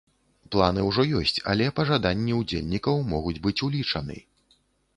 Планы ўжо ёсць, але пажаданні ўдзельнікаў могуць быць улічаны.